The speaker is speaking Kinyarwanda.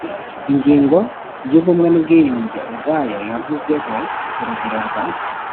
ingingo y ubumwe n ubwiyunge ubwayo yavuzweho ku rugero rwa